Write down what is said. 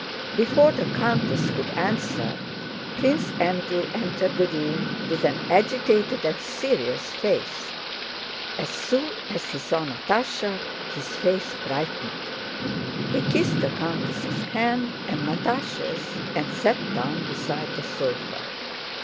Before the countess could answer, Prince Andrew entered the room with an agitated and serious face. As soon as he saw Natásha his face brightened. He kissed the countess' hand and Natásha's, and sat down beside the sofa.